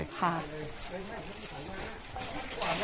บนเนินแห่งนี้ก็เป็นบ้านที่เขาจะเลี้ยงหมูนะครับ